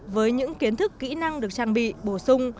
với những kiến thức kỹ năng được trang bị bổ sung